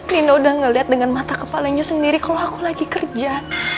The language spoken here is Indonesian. rinda udah ngeliat dengan mata kepalanya sendiri kalau aku lagi kerja